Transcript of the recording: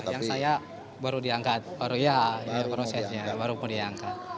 yang saya baru diangkat baru ya baru mau diangkat